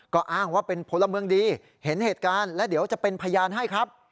ก็อ้างว่าเป็นพลเมืองดีเห็นเหตุการณ์และเดี๋ยวจะเป็นพยานให้ครับ